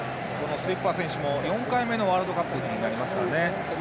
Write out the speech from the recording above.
スリッパー選手も４回目のワールドカップになりますね。